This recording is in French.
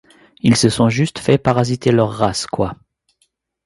Ils se sont juste fait parasiter leur race quoi…